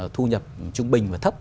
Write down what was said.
thu nhập trung bình và thấp